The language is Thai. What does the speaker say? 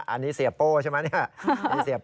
อันนี้เสียโป้ย์ใช่ไหม